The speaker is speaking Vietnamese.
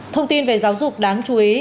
thông tin về giáo dục đáng chú ý